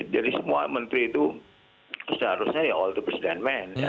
jadi semua menteri itu seharusnya all the president men